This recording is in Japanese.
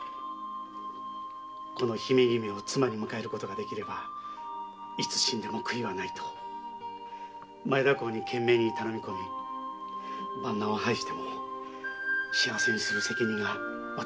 この姫君を妻に迎えることができればいつ死んでも悔いはないと前田侯に懸命に頼み込み万難を排しても幸せにする責任が私にはあるのです。